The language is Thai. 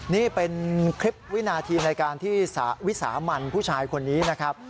นี่เป็นคลิปวินาทีในการที่วิสามันผู้ชายคนนี้นะครับ